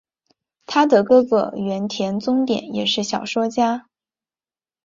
她的哥哥原田宗典也是小说家。